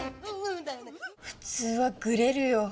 普通はグレるよ。